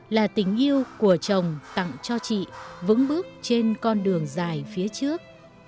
là tình yêu của chồng tặng cho chị vững bước trên con đường dài phía trước